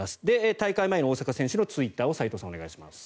大会前の大坂選手のツイッターを斎藤さん、お願いします。